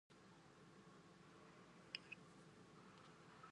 Apa yang membuatnya berniat untuk melamarnya?